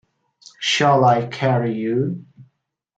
Shall I carry you.